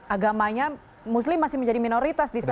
agamanya muslim masih menjadi minoritas di sana